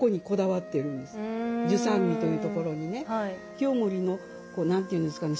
清盛の何て言うんですかね